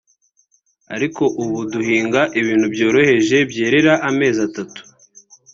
ariko ubu duhinga ibintu byoroheje byerera amezi atatu